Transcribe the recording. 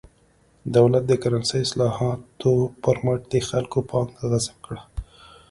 دولت د کرنسۍ اصلاحاتو پر مټ د خلکو پانګه غصب کړه.